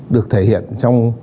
được thể hiện trong